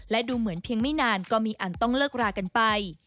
และดูเหมือนเพียงไม่นานก็มีอันต้องเลิกรากันไป